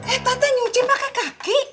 eh tante nyuci pakai kaki